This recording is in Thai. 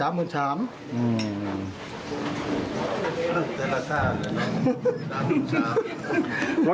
อ๋อมัวฮิตล่ะ